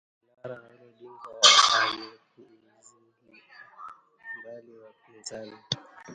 Kinara Raila Odinga amepuuzilia mbali wapinzani